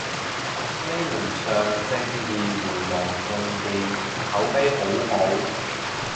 呢輪上正義迴廊仲掂，口碑好好